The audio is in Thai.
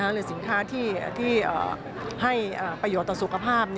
หรือสินค้าที่ให้ประโยชน์ต่อสุขภาพ